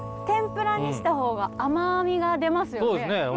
天ぷらにした方が甘みが出ますよね。